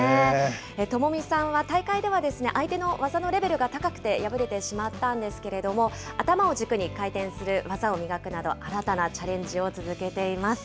Ｔｏｍｏｍｉさんは大会では相手の技のレベルが高くて敗れてしまったんですけれども、頭を軸に回転する技を磨くなど、新たなチャレンジを続けています。